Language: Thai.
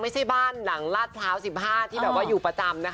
ไม่ใช่หลังรหัสเท้า๑๕ที่แบบว่าอยู่ประมาณ